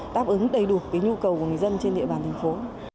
đáp ứng đầy đủ nhu cầu của người dân trên địa bàn thành phố